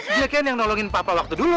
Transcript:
dia kan yang nolongin papa waktu dulu